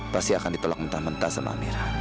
pasti akan ditolak mentah mentah sama amerika